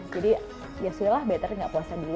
jadi ya sudah lah better tidak puasa dulu